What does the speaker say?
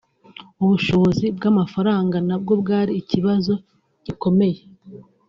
…ubushobozi bw’amafaranga nabwo bwari ikibazo gikomeye